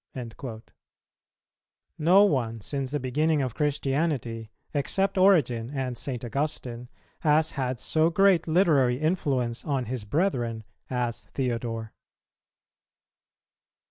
"[287:1] No one since the beginning of Christianity, except Origen and St. Augustine, has had so great literary influence on his brethren as Theodore.